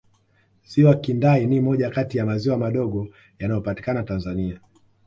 ziwa kindai ni moja Kati ya maziwa madogo yanayopatikana tanzania